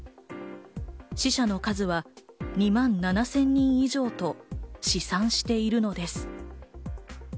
死者の数は２万７０００人以上と試算しているのです。